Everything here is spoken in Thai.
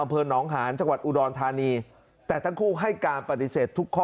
เพราะน้องหารจังหวัดอูดรณ์ธานีแต่ทั้งคู่ให้การปฏิเสร็จทุกข้อ